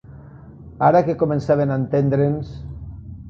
Ara que començaven a entendre'ns...